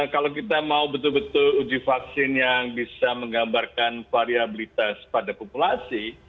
kalau kita mau betul betul uji vaksin yang bisa menggambarkan variabilitas pada populasi